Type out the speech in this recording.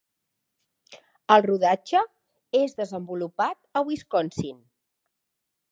El rodatge és desenvolupat a Wisconsin.